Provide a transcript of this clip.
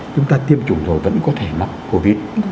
chúng ta tiêm chủng rồi vẫn có thể mắc covid